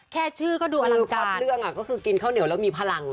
แค่ชื่อก็ดูอลังการเรื่องก็คือกินข้าวเหนียวแล้วมีพลัง